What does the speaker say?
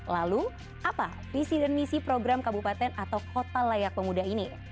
lalu apa visi dan misi program kabupaten atau kota layak pemuda ini